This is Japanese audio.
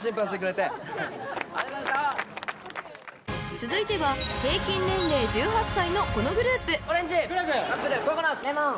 ［続いては平均年齢１８歳のこのグループ］